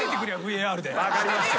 分かりました。